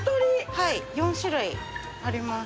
はい４種類あります。